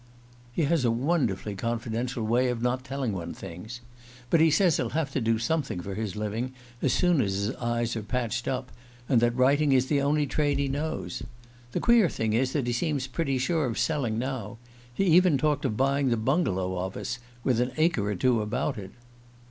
He has a wonderfully confidential way of not telling one things. But he says he'll have to do something for his living as soon as his eyes are patched up, and that writing is the only trade he knows. The queer thing is that he seems pretty sure of selling now. He even talked of buying the bungalow of us, with an acre or two about it."